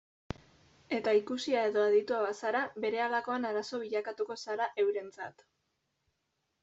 Eta ikusia edo aditua bazara, berehalakoan arazo bilakatuko zara eurentzat.